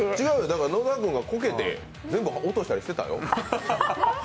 野澤君がこけて全部落としたりしてたよ。